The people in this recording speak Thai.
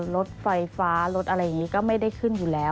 รถไฟฟ้ารถอะไรอย่างนี้ก็ไม่ได้ขึ้นอยู่แล้ว